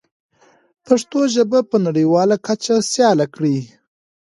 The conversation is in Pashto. پښتو ژبه په نړیواله کچه سیاله کړئ.